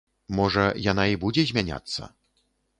Можа, яна і будзе змяняцца.